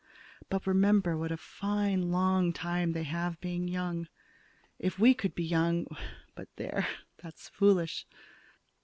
But remember what a fine long time they have being young! If we could be young but there, that's foolish.